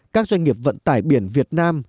các doanh nghiệp vận tải biển việt nam